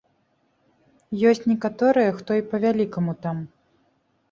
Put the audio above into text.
Ёсць некаторыя, хто і па-вялікаму там.